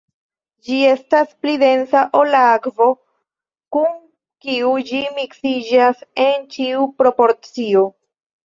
Ĝi estas pli densa ol la akvo, kun kiu ĝi miksiĝas en ĉiu proporcio.